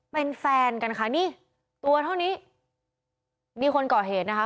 เป็นแฟนกันค่ะนี่ตัวเท่านี้มีคนก่อเหตุนะคะ